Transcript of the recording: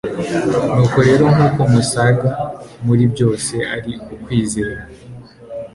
nuko rero nk uko musaga muri byose ari ukwizera